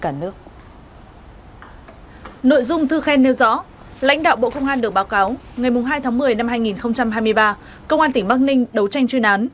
nội dung thư khen nêu rõ lãnh đạo bộ công an được báo cáo ngày hai tháng một mươi năm hai nghìn hai mươi ba công an tỉnh bắc ninh đấu tranh chuyên án